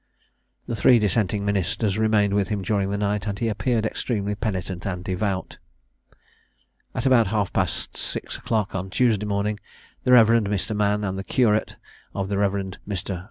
The three dissenting ministers remained with him during the night, and he appeared extremely penitent and devout. At about half past six o'clock on Tuesday morning, the Rev. Mr. Mann, and the curate of the Rev. Mr.